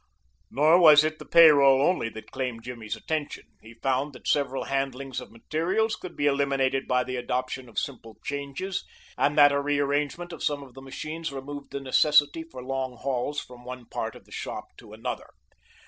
Nor was it the pay roll only that claimed Jimmy's attention. He found that several handlings of materials could be eliminated by the adoption of simple changes, and that a rearrangement of some of the machines removed the necessity for long hauls from one part of the shop to another.